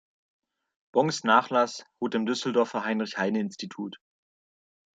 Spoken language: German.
Bongs’ Nachlass ruht im Düsseldorfer Heinrich-Heine-Institut.